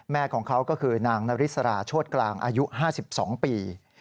แม่ของเขาก็คือนางนาริสราโชธกลางอายุ๕๒ปี